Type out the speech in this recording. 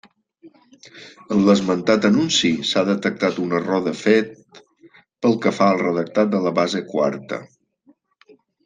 En l'esmentat anunci s'ha detectat un error de fet pel que fa al redactat de la base quarta.